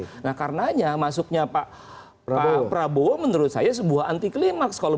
masuk ke situ gitu nah karenanya masuknya pak prabowo menurut saya sebuah anti klimax kalau